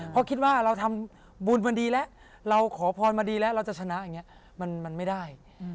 เพราะคิดว่าเราทำบุญมาดีแล้วเราขอพรมาดีแล้วเราจะชนะอย่างนี้มันไม่ได้